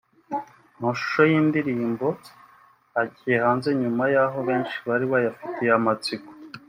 Amashusho y’iyi ndirimbo agiye hanze nyuma y’aho benshi bari bayafitiye amatsiko